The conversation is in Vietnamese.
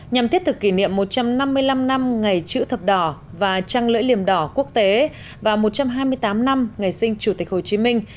nhằm thiết thực kỷ niệm một trăm năm mươi năm năm ngày chữ thập đỏ và trăng lưỡi liềm đỏ quốc tế và một trăm hai mươi tám năm ngày sinh chủ tịch hồ chí minh